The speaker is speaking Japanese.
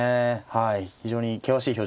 はい。